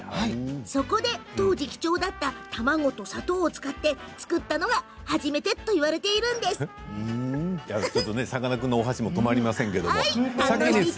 そこで当時貴重だった卵と砂糖を使って作ったのが初めとさかなクンのお箸も止まりませんけれど。